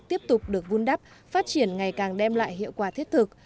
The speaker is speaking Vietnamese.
tiếp tục được vun đắp phát triển ngày càng đem lại hiệu quả thiết thực